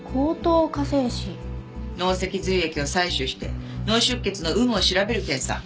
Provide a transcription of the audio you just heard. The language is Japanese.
脳脊髄液を採取して脳出血の有無を調べる検査。